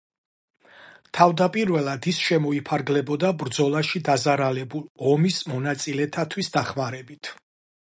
თავდაპირველად ის შემოიფარგლებოდა ბრძოლაში დაზარალებულ ომის მონაწილეთათვის დახმარებით.